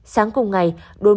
sáng cùng ngày đồn đứt